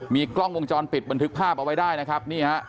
มีกล้องวงจรปิดบันทึกภาพเอาไว้ได้นะครับนี่ฮะ